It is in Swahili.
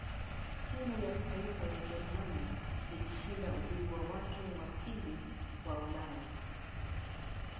timu ya taifa ya ujerumani ilishinda ubingwa wake wa pili wa ulaya